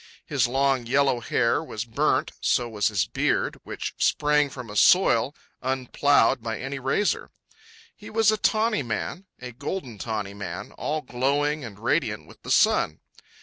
His long yellow hair was burnt, so was his beard, which sprang from a soil unploughed by any razor. He was a tawny man, a golden tawny man, all glowing and radiant with the sun.